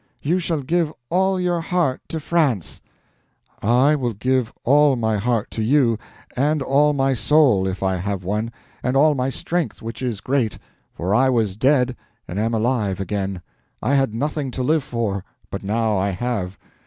—"you shall give all your heart to France—" "I will give all my heart to you—and all my soul, if I have one—and all my strength, which is great—for I was dead and am alive again; I had nothing to live for, but now I have!